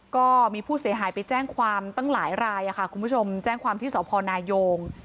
ก็มีผู้เสียหายไปแจ้งความตั้งหลายรายค่ะคุณผู้ชมแจ้งความที่สพนายง